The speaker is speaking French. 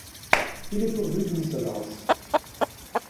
Il est pourvu d'une seule anse.